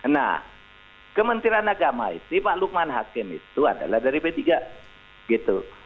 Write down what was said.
nah kementerian agama itu pak lukman hakim itu adalah dari p tiga gitu